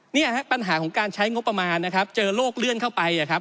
เนี่ยฮะปัญหาของการใช้งบประมาณนะครับเจอโลกเลื่อนเข้าไปอะครับ